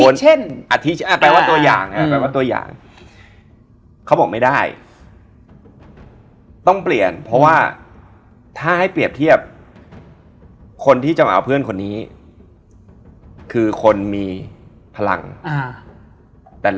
เล่าอย้อนหน่อยว่าก่อนขึ้นเรือไป